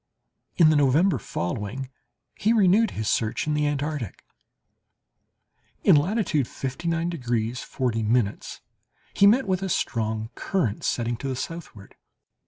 In the November following he renewed his search in the Antarctic. In latitude 59 degrees 40' he met with a strong current setting to the southward.